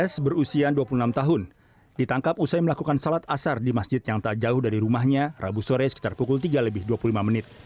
s berusia dua puluh enam tahun ditangkap usai melakukan salat asar di masjid yang tak jauh dari rumahnya rabu sore sekitar pukul tiga lebih dua puluh lima menit